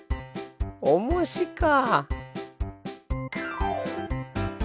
おもしか。